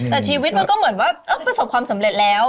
แต่ชีวิตมันก็เหมือนว่าประสบความสำเร็จแล้ว